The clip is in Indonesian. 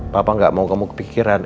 bapak gak mau kamu kepikiran